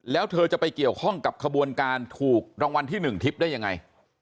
แล้วเธอจะไปเกี่ยวข้องกับขบวนการถูกรางวัลที่๑ทิพย์ได้ยังไง